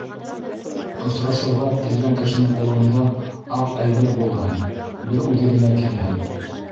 Осрашыуға килгән кешенең ҡулында аҡ әйбер булһын, бер үҙе генә килһен.